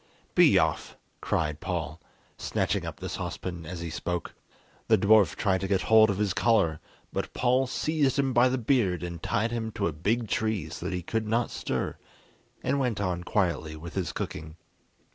"Be off," cried Paul, snatching up the saucepan as he spoke. The dwarf tried to get hold of his collar, but Paul seized him by the beard, and tied him to a big tree so that he could not stir, and went on quietly with his cooking.